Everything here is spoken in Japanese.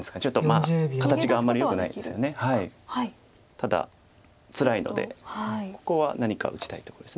ただつらいのでここは何か打ちたいところです。